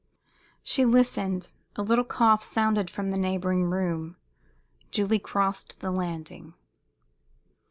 She listened. A little cough sounded from the neighboring room. Julie crossed the landing.